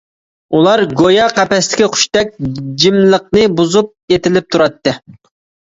ئۇلار گويا قەپەستىكى قۇشتەك جىملىقنى بۇزۇپ، ئېتىلىپ تۇراتتى.